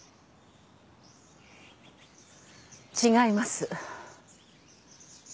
違います。